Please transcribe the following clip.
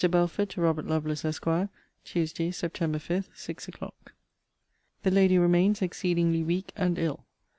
BELFORD, TO ROBERT LOVELACE, ESQ. TUEDAY, SEPT. 5, SIX O'CLOCK. The lady remains exceedingly weak and ill.